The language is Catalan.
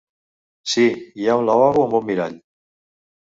Sí, hi ha un lavabo amb un mirall.